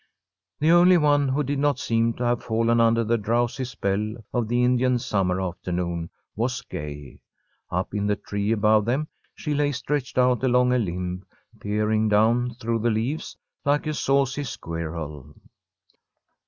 The only one who did not seem to have fallen under the drowsy spell of the Indian summer afternoon was Gay. Up in the tree above them, she lay stretched out along a limb, peering down through the leaves like a saucy squirrel.